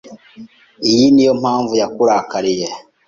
Iyi niyo mpamvu yakurakariye.